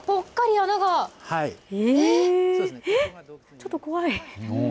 ちょっと怖い。